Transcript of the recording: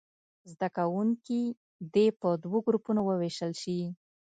زده کوونکي دې په دوو ګروپونو ووېشل شي.